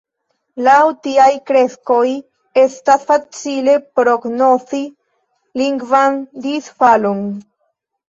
Laŭ tiaj kreskoj estas facile prognozi lingvan disfalon.